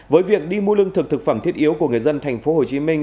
với việc đi mua lương thực thực phẩm thiết yếu của người dân thành phố hồ chí minh